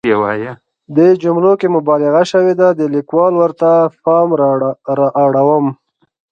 دې جملو کې مبالغه شوې ده، د ليکوال ورته پام رااړوم.